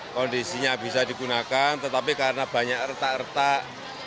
kondisinya bisa digunakan tetapi karena banyak retak retak